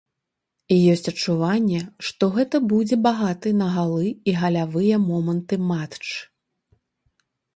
Ёсць адчуванне, што гэта будзе багаты на галы і галявыя моманты матч.